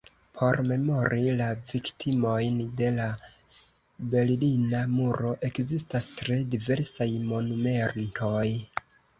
Por memori la viktimojn de la berlina muro ekzistas tre diversaj monumentoj.